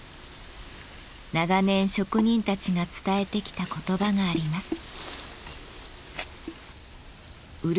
長年職人たちが伝えてきた言葉があります。